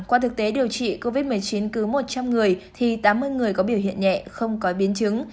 qua thực tế điều trị covid một mươi chín cứ một trăm linh người thì tám mươi người có biểu hiện nhẹ không có biến chứng